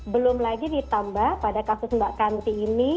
belum lagi ditambah pada kasus mbak kanti ini